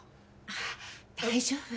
あっ大丈夫